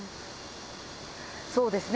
そうですね。